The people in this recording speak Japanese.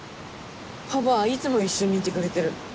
パパはいつも一緒にいてくれてる。